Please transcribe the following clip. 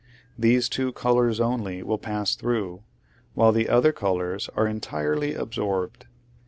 These two colors only will pass through, while the other colors are entirely absorbed.